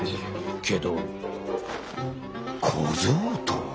けど小僧とは。